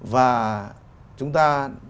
và chúng ta